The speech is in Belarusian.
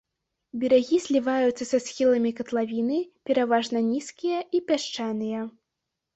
Берагі зліваюцца са схіламі катлавіны, пераважна нізкія і пясчаныя.